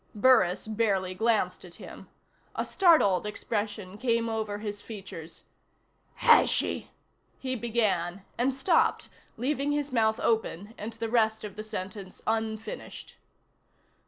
Burris barely glanced at him. A startled expression came over his features. "Has she " he began, and stopped, leaving his mouth open and the rest of the sentence unfinished.